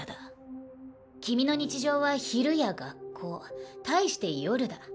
君の日常は「昼」や「学校」対して「夜」だ。